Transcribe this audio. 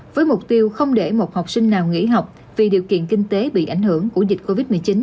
với mục tiêu không để một học sinh nào nghỉ học vì điều kiện kinh tế bị ảnh hưởng của dịch covid một mươi chín